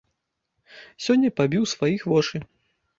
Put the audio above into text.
Сёння пабіў сваіх вошы.